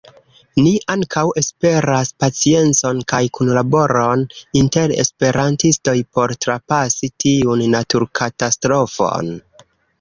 Ni ankaŭ esperas paciencon kaj kunlaboron inter esperantistoj por trapasi tiun naturkatastrofon.